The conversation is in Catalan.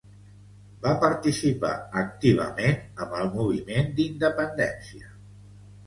Va participar activament amb el moviment d'independència.